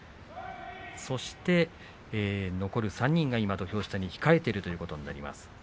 そして、残る３人が土俵下に控えているという形になります。